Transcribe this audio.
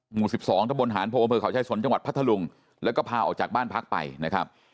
หมู่๑๒ตะบนหานโพอำเภอเขาชายสนจังหวัดพัทธลุงแล้วก็พาออกจากบ้านพักไปนะครับ